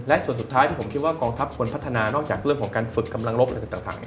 และส่วนสุดท้ายที่ผมคิดว่ากองทัพควรพัฒนานอกจากเรื่องของการฝึกกำลังรบอะไรต่าง